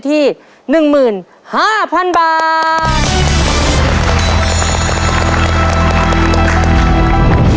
ครอบครัวของแม่ปุ้ยจังหวัดสะแก้วนะครับ